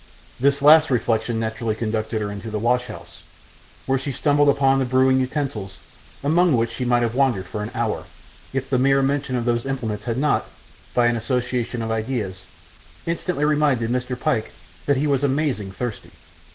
This last reflection naturally conducted her into the wash house, where she stumbled upon the brewing utensils, among which she might have wandered for an hour, if the mere mention of those implements had not, by an association of ideas, instantly reminded Mr. Pyke that he was 'amazing thirsty.